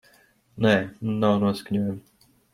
Nē, man nav noskaņojuma.